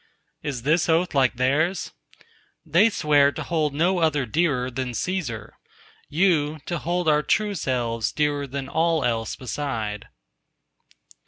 "Is this oath like theirs?" They swear to hold no other dearer than Cæsar: you, to hold our true selves dearer than all else beside.